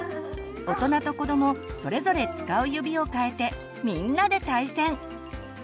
大人と子どもそれぞれ使う指を変えてみんなで対戦！